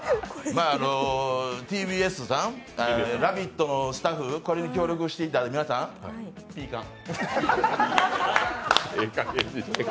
ＴＢＳさん、「ラヴィット！」のスタッフ、これに協力していただいた皆さん、ピーカン。